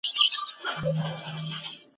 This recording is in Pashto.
هیواد چلونه د هڅو او کوښښونو پایله ده.